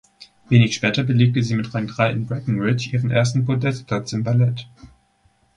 Wenig später belegte sie mit Rang drei in Breckenridge ihren ersten Podestplatz im Ballett.